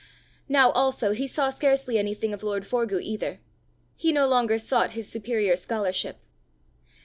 Now also he saw scarcely anything of lord Forgue either; he no longer sought his superior scholarship.